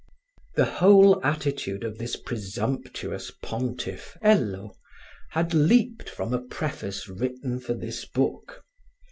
The whole attitude of this presumptuous pontiff, Hello, had leaped from a preface written for this book.